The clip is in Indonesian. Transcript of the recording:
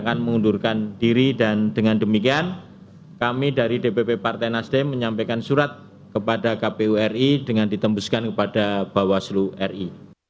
kami akan mengundurkan diri dan dengan demikian kami dari dpp partai nasdem menyampaikan surat kepada kpu ri dengan ditembuskan kepada bawaslu ri